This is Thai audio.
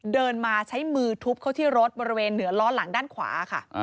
เดินมาใช้มือทุบเขาที่รถบริเวณเหนือล้อหลังด้านขวาค่ะ